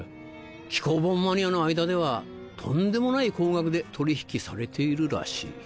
稀覯本マニアの間ではとんでもない高額で取引されているらしい。